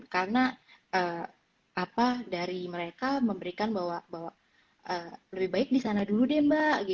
karena dari mereka memberikan bahwa lebih baik di sana dulu deh mbak